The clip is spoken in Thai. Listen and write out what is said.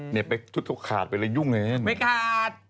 เนี่ยไปทุกขาดไปแล้วยุ่งเองไม่ขาด